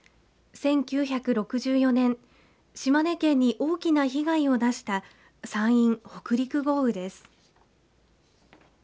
１９６４年島根県に大きな被害を出した山陰北陸豪雨です。